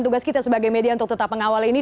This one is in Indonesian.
tugas kita sebagai media untuk tetap mengawal ini